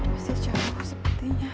masih jauh sepertinya